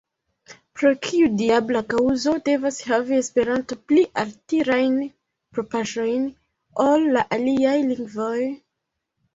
Pro kiu diabla kaŭzo devas havi Esperanto pli altirajn propraĵojn ol la aliaj lingvoj?